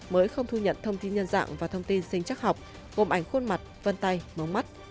mới không thu nhận thông tin nhân dạng và thông tin sinh chắc học gồm ảnh khuôn mặt vân tay mống mắt